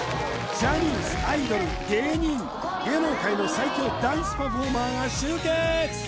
ジャニーズアイドル芸人芸能界の最強ダンスパフォーマーが集結！